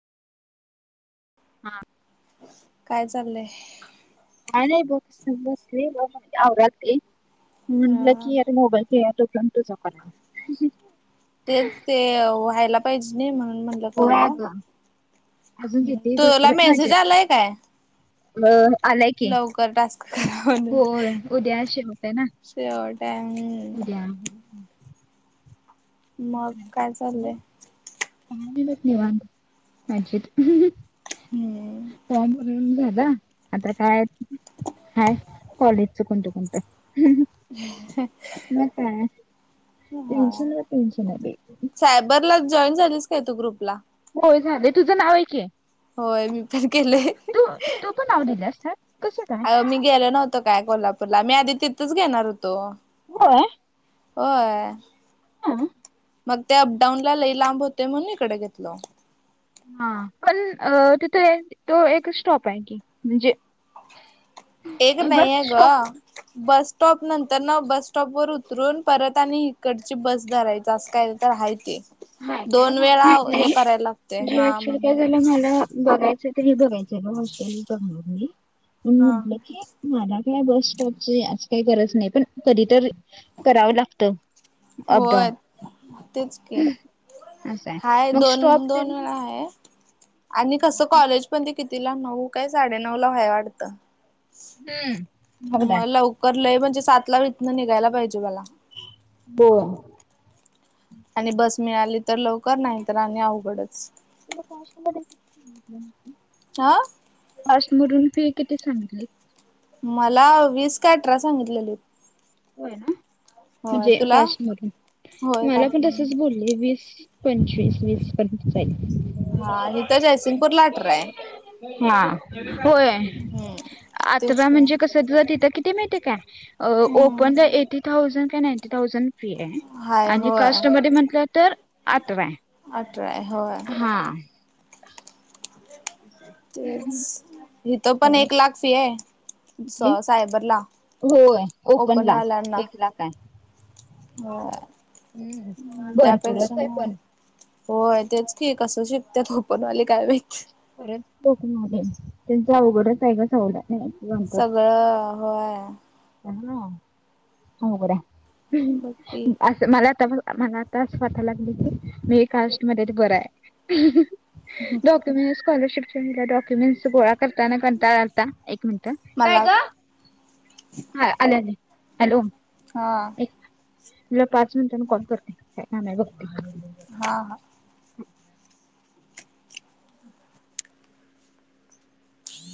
हा काय चाललंय मान बत बस राली. म्हटलं हा की यार मोबाईल ख तो पण तूझ तेच ते व्हायला पाहिजे नाही म्हणून म होय करूया अगं अजून किती भरपूर तुला आहेत मेसेज माझे. आलाय काय. अ आलाय की. लवकर टास्क करा म्हणून होय उद्या शेवट आहे ना. सवडॅ उद्या. मग काय चाललंय का ब नि वाां म्जेत हम्म तबर आता काय हाय कॉलेजच कोणतं कोणतं. ह म काा तनशन तीनशन ब सायबर ला जॉईन झालीस काय तू ग्रुप ला होय झालंय तुझं नाव आहे. होय मी पण केलय. त नव द सर अ मी गेलो नव्हतो काय कोल्हापूरला मी आधी तिथंच घेणार होतो. होय? होय. हम्म. मग ते अपडाऊन ला लई लांब होते म्हणून इकडे घेतलं हा पण अ तिथ तो एक स्टॉप आहे की म्हणजे एक बस नाहीय ग. स्टॉप बस स्टॉप नंतर ना बस स्टॉपवरर उतरून परत आणि इकडची बस धरायच असं काय त हाय की. हाय काय मला माहित नाही लागतय म्हणजे हा ॲक्चुली काय म्हणून झालं मला बघायचं. स्त्री बघायच ग हॉस्टेल [unintelligible] पण हा. म्हटलं की. मला काय बस स्टॉपची आज काही गरज नाही पण कधी तर करावं लागत. होय. तेच की असं आहे हाय मग स्टॉप दोन दोन तेन वेळा आहे. आणि कसं कॉलेज पण ते कितीला नऊ काय साडे नऊ ला व्हाय वाटतं. हम्म. बघणार मग लवकर लय म्हणजे सातला इथन निघायला पाहिजे बघा. हो. आणि बस मिळाली तर लवकर नाही तर आणि अवघडच. तुला कास्ट मध्ये [unintelligible] आं. कास्टमधून फी किती सांगीतली? मला वीस का अठरा सांगितलेली. होय ना म्हणजे तुला? कास्टमधून होय मला पण काश्मीर तसचं बोल ले वीस पंचवीस वीस पर्यंत जार्ईल. हां हित जयसिंगपूर ला अटराय. हा होय हम्म तेच अटरा काय म्हणजे कसं ते तुला तिथ किती माईतय काय अ हम्म ओपनला एटी थाउंजंड कां नायटी थाउंजंड फी आहे हाय आणि होय. कास्टमध्ये म्हटलं तर आटरा आहे. अटरा आहे होय. हां. असंय. तेच इथं पण एक लाख फी आहे. कुठे? सायबरला होय ओपनला एक लाख आहे. हम्म होय त्या पेक्षा भरपूरच आहे मग पण होय तेच की कसं शिकत्यात ओपनवाले काय माहित? खरच [unintelligible] त्यांचं अवघडच आहे ग सवलत नाही. सगळं होय. चहा नु हो गड्या बघ की हम्म आज च मला आता प मला आता अस वाटा लागली की मी कास्ट मध्ये आहे ते बरं आहे. हम्म हं. फक्त मी स्कॉलरशिपचे डा डॉक्युमेंट्स गोळा करतांना कंटाळा आलता. एक मिनिटं काय मला ग? हा आले आले हॅलो. हां. एक तुला पाच मिनिटांने कॉल करते, काय काम आहे बघते. हा हा.